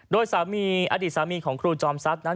โดยสามีอดีตสามีของคุณจอมซัชน์